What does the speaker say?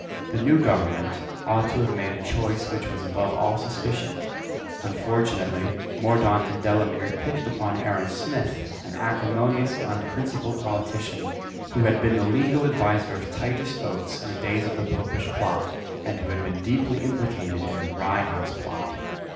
The new government ought to have made a choice which was above all suspicion. Unfortunately Mordaunt and Delamere pitched upon Aaron Smith, an acrimonious and unprincipled politician, who had been the legal adviser of Titus Oates in the days of the Popish Plot, and who had been deeply implicated in the Rye House Plot.